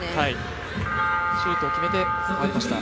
シュートを決めて代わりました。